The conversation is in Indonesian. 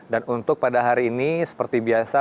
dan untuk pada hari ini seperti biasa